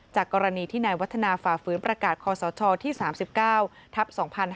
กรณีที่นายวัฒนาฝ่าฝืนประกาศคอสชที่๓๙ทับ๒๕๕๙